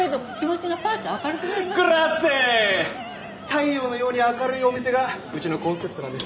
太陽のように明るいお店がうちのコンセプトなんです。